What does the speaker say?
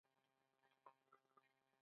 • د شپې تیاره د ورځې رڼا ته لاره هواروي.